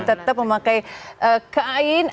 tetap memakai kain